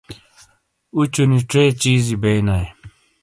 اوچو نی ڇے چیزی بینائ۔